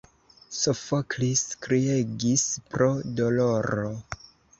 Sofoklis kriegis pro doloro.